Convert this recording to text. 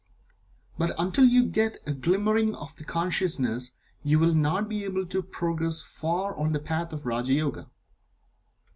But until you get a glimmering of the consciousness you will not be able to progress far on the path of Raja Yoga.